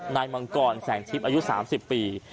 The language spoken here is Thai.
มังกรแสงทิพย์อายุ๓๐ปี